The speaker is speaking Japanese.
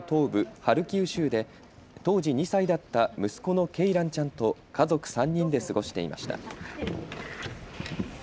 ハルキウ州で当時２歳だった息子のケイランちゃんと家族３人で過ごしていました。